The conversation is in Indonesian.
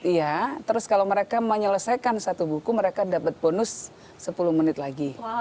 iya terus kalau mereka menyelesaikan satu buku mereka dapat bonus sepuluh menit lagi